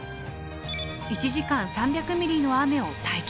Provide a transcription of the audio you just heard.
１時間３００ｍｍの雨を体験すると。